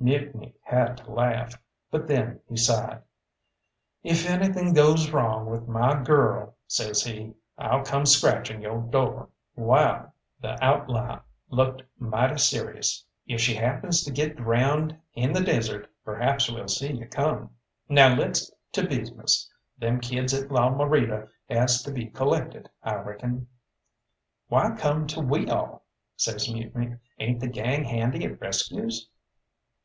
Mutiny had to laugh, but then he sighed. "If anything goes wrong with my girl," says he, "I'll come scratch on yo' door." "Wall" the outlaw looked mighty serious "if she happens to get drowned in the desert perhaps we'll see you come. Now let's to business. Them kids at La Morita has to be collected, I reckon." "Why come to we all?" says Mutiny, "ain't the gang handy at rescues?"